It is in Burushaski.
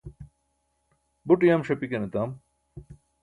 buṭ uyam ṣapikan etam